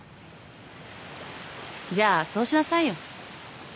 じゃあそうしなさいよ。